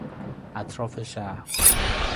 اطراف شهر